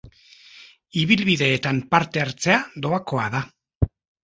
Ibilbideetan parte hartzea doakoa da.